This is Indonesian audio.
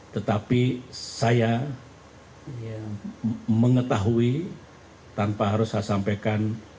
tetapi saya mengetahui tanpa harus saya sampaikan